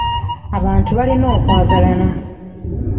Abantu balina okwagalana.